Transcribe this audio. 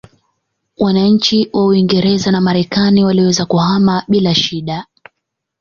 Wananchi wa Uingereza na Marekani waliweza kuhama bila shida